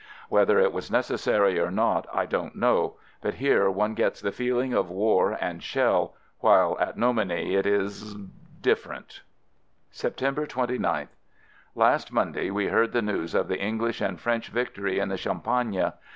Whether it was necessary or not, I don't know, but here one gets the feeling of war and shell, while at Nomeny it is — different^ September 29th. Last Monday, we heard the news of the English and French victory in the Champagne.